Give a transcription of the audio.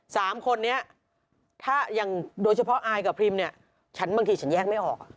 สามคนนี้ถ้าอย่างโดยเฉพาะอายกับพิมเนี่ยฉันบางทีฉันแยกไม่ออก